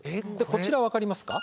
こちら分かりますか？